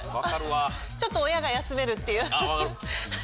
ちょっと親が休めるっていう。